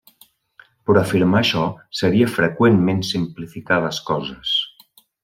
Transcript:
Però afirmar això seria freqüentment simplificar les coses.